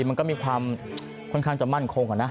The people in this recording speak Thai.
มันก็มีความค่อนข้างจะมั่นคง